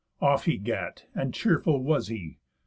Off he gat; And cheerful was he.